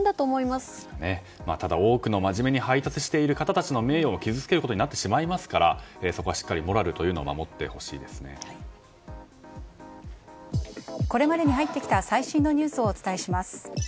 ただ、多くの真面目に配達している方たちの名誉を傷つけることになってしまいますからそこはしっかりモラルをこれまでに入ってきた最新のニュースをお伝えします。